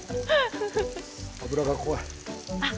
油が怖い。